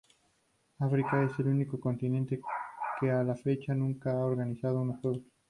África es el único continente que a la fecha nunca ha organizado unos juegos.